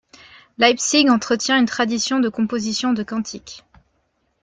Leipzig entretient une tradition de composition de cantiques.